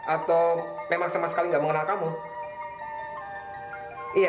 atau memang sama sekali nggak mengenal kamu